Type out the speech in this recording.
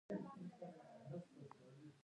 ایا زه باید طلاق واخلم؟